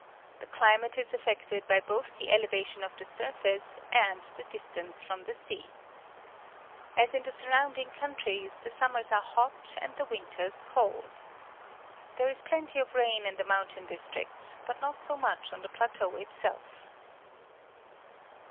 The climate is affected by both the elevation of the surface and the distance from the sea. As in the surrounding coun tries, the summers are hot and the winters cold. There is plenty of rain in the moun tain districts, but not so much on the plateau itself.